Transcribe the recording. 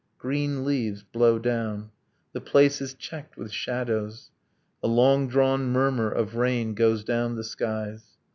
Green leaves blow down. The place is checked with shadows. A long drawn murmur of rain goes down the skies.